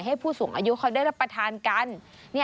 ผู้สูงอายุเขาได้รับประทานกัน